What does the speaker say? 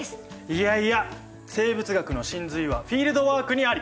いやいや生物学の神髄はフィールドワークにあり！